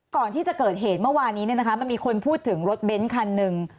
ก่อนที่จะเกิดเหตุเมื่อวานี้มันมีคนพูดถึงรถเบ้นคันหนึ่ง